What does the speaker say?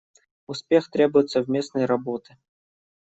Успех требует совместной работы.